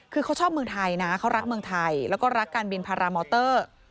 คือเขาชอบเมืองไทยนะเขารักเมืองไทยแล้วก็รักการบินพารามอเตอร์